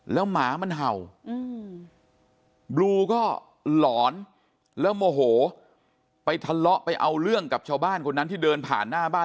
แล้วหมามันเห่าบลูก็หลอนแล้วโมโหไปทะเลาะไปเอาเรื่องกับชาวบ้านคนนั้นที่เดินผ่านหน้าบ้าน